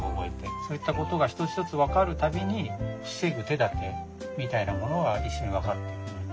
そういったことが一つ一つ分かる度に防ぐ手だてみたいなものが一緒に分かってくるんで。